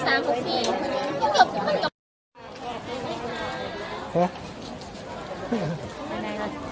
สวัสดีทุกคน